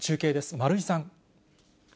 丸井さん。